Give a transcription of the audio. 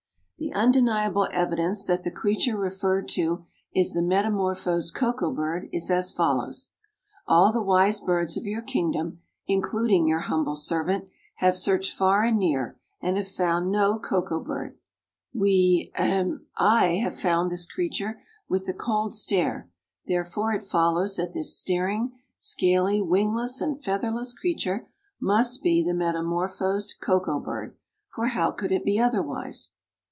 "The undeniable evidence that the creature referred to is the metamorphosed Koko bird is as follows: All the wise birds of your kingdom, including your humble servant, have searched far and near and have found no Koko bird. We, ahem, I, have found this creature with the cold stare; therefore, it follows that this staring, scaly, wingless and featherless creature must be the metamorphosed Koko bird, for how could it be otherwise?"